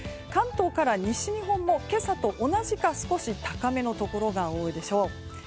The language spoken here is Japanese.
関東から西日本も今朝と同じか少し高めのところが多いでしょう。